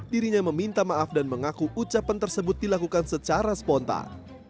dirinya meminta maaf dan mengaku ucapan tersebut dilakukan secara spontan